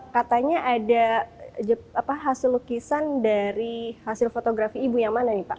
katanya ada hasil lukisan dari hasil fotografi ibu yang mana nih pak